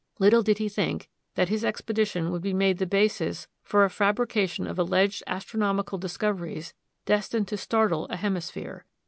Little did he think that his expedition would be made the basis for a fabrication of alleged astronomical discoveries destined to startle a hemisphere.